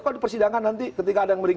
kalau dipersidangkan nanti ketika ada yang